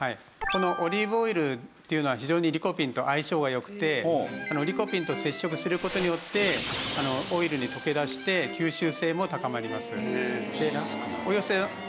このオリーブオイルというのは非常にリコピンと相性が良くてリコピンと接触する事によってオイルに溶け出して吸収性も高まります。